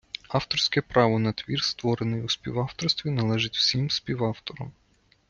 Авторське право на твір, створений у співавторстві, належить всім співавторам